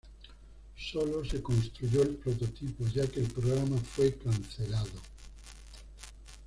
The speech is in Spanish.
Sólo se construyó el prototipo ya que el programa fue cancelado.